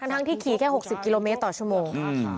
ทั้งที่ขี่แค่๖๐กิโลเมตรต่อชั่วโมง